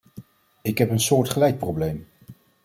Ik heb een soortgelijk probleem.